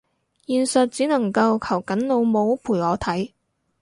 現實只能夠求緊老母陪我睇